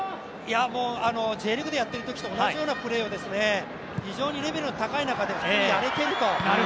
Ｊリーグでやっているときと同じようなプレーを非常にレベルの高い中で普通にやれていると。